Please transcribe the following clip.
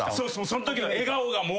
そのときの笑顔がもう。